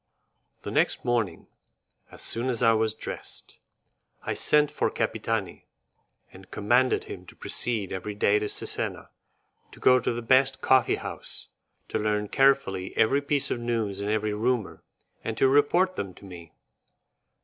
The next morning, as soon as I was dressed, I sent for Capitani, and commanded him to proceed every day to Cesena, to go to the best coffee house, to learn carefully every piece of news and every rumour, and to report them to me.